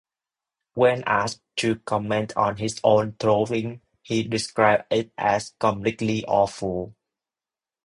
When asked to comment on his own throwing he described it as "completely awful".